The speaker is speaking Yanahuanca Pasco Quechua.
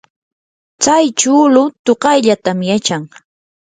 tsay chuulu tuqayllatam yachan.